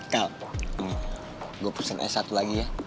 kal gue pesen s satu lagi ya